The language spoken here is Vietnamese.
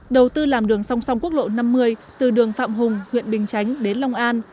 đầu tư làm đường song song quốc lộ năm mươi từ đường phạm hùng huyện bình chánh đến long an